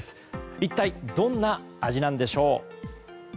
一体どんな味なんでしょう。